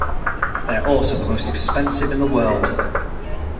They are also the most expensive in the world.